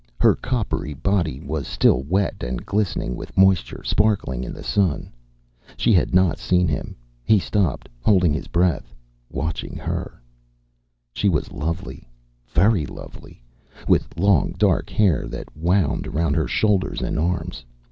Her coppery body was still wet and glistening with moisture, sparkling in the sun. She had not seen him. He stopped, holding his breath, watching her. She was lovely, very lovely, with long dark hair that wound around her shoulders and arms.